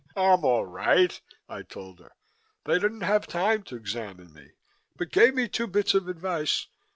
"I'm all right," I told her. "They didn't have time to examine me but gave me two bits of advice.